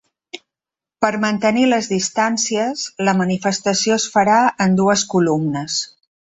Per mantenir les distàncies, la manifestació es farà en dues columnes.